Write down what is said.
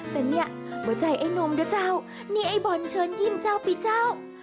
แต่เนี่ยใบใจไอ้นมเดี๋ยวเจ้าเนี่ยไอ้บอนเชิญยิ้มเจ้าปีเจ้า